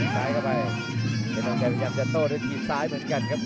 จุกจิกซ้ายเหรอครับ